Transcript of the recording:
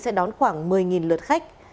sẽ đón khoảng một mươi lượt khách